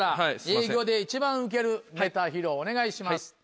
営業で一番ウケるネタ披露お願いします。